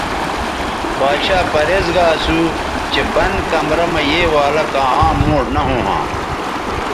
باڇھا پریز گا اسو چہء بند کمرہ مہ یے والہ کاں عام موݜ نہ ھوں ھاں